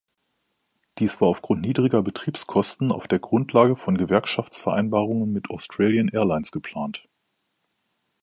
Dies war aufgrund niedrigerer Betriebskosten auf der Grundlage von Gewerkschaftsvereinbarungen mit Austrian Airlines geplant.